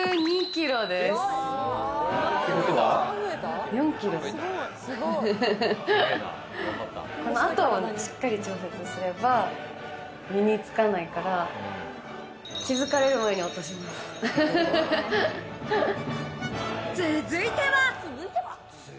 ４キロ、この後しっかり調節すれば身につかないから、気づかれる前に落とします。